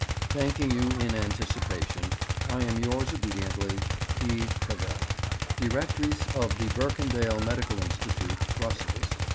'Thanking you in anticipation, I am yours obediently, 'E. CAVELL, 'Directrice of the Berkendael Medical Institute, Brussels.